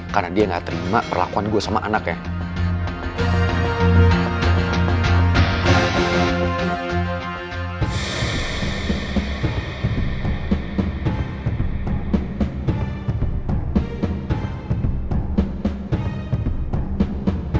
karena dia gak terima perlakuan gue sama anaknya